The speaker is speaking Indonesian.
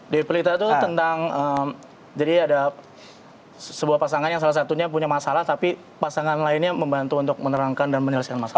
di pelita itu tentang jadi ada sebuah pasangan yang salah satunya punya masalah tapi pasangan lainnya membantu untuk menerangkan dan menyelesaikan masalah